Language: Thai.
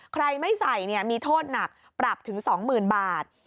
ใครไม่ใส่มีโทษหนักปรับถึง๒๐๐๐บาท